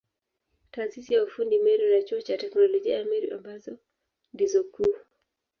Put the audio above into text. Taasisi ya ufundi Meru na Chuo cha Teknolojia ya Meru ambazo ndizo kuu.